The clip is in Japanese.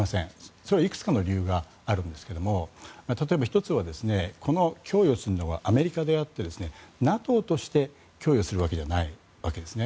それはいくつかの理由があるんですが例えば１つは供与するのはアメリカであってＮＡＴＯとして供与するわけじゃないわけです。